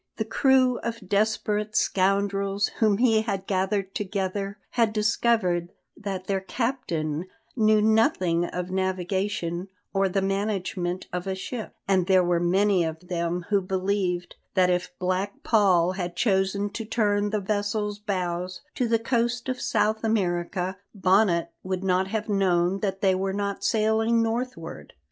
The crew of desperate scoundrels whom he had gathered together had discovered that their captain knew nothing of navigation or the management of a ship, and there were many of them who believed that if Black Paul had chosen to turn the vessel's bows to the coast of South America, Bonnet would not have known that they were not sailing northward.